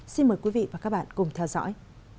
xin mời quý vị và các bạn cùng theo dõi